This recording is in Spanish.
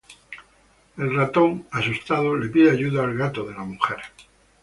El ratón, asustado, le pide ayuda al gato de la mujer.